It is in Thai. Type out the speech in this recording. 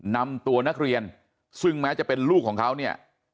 นำตัวนักเรียนซึ่งแม้จะเป็นลูกของเขาเนี่ย